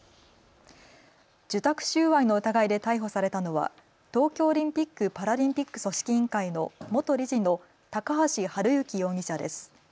受託収賄の疑いで逮捕されたのは東京オリンピック・パラリンピック組織委員会の元理事の高橋治之容疑者です。